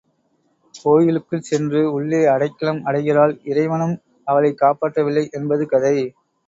கோயிலுக்குள் சென்று உள்ளே அடைக்கலம் அடைகிறாள் இறைவனும் அவளைக் காப்பாற்றவில்லை என்பது கதை.